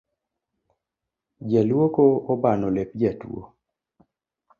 Jaluoko obano lep jatuo